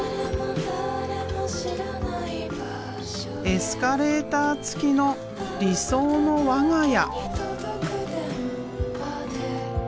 エスカレーター付きの理想の我が家。